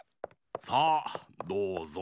さあどうぞ！